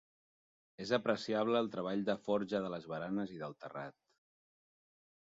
És apreciable el treball de forja de les baranes i del terrat.